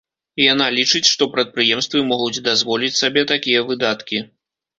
Яна лічыць, што прадпрыемствы могуць дазволіць сабе такія выдаткі.